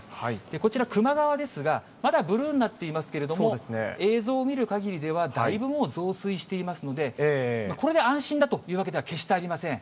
こちら、球磨川ですが、まだブルーになっていますけれども、映像を見るかぎりでは、だいぶもう増水していますので、これで安心だというわけでは決してありません。